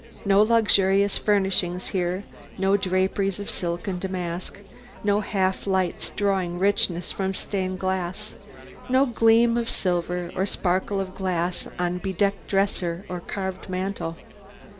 No luxurious furnishings here, no draperies of silk and damask, no half lights drawing richness from stained glass, no gleam of silver or sparkle of glass on bedecked dresser or carved mantel.